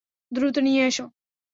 দ্রুত নিয়ে এসো।